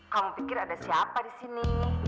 kamu pikir ada siapa di sini